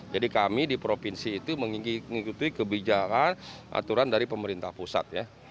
jadi kami di provinsi itu mengikuti kebijakan aturan dari pemerintah pusat ya